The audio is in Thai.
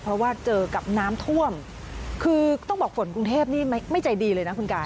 เพราะว่าเจอกับน้ำท่วมคือต้องบอกฝนกรุงเทพนี่ไม่ใจดีเลยนะคุณกาย